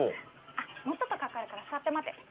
あっもうちょっとかかるから座って待ってて。